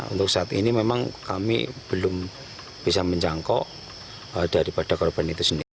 untuk saat ini memang kami belum bisa menjangkau daripada korban itu sendiri